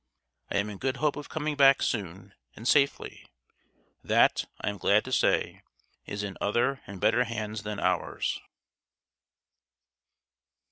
I am in good hope of coming back soon and safely: that, I am glad to say, is in other and better hands than ours."